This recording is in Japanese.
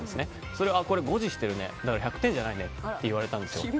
それを、誤字してるね１００点じゃないねって言われたんですよ。